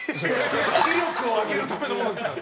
視力を上げるためのものですから。